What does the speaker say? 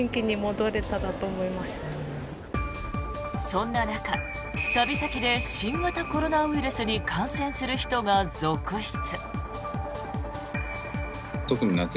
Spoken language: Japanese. そんな中、旅先で新型コロナウイルスに感染する人が続出。